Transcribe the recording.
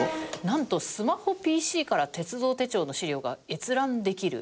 なんとスマホＰＣから鉄道手帳の資料が閲覧できる。